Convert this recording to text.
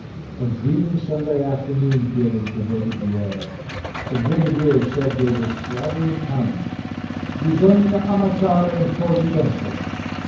A dreamy Sunday afternoon feeling pervaded the air, the brigadier said they were slaughtering time ("bisogna ammazzare un po' di tempo").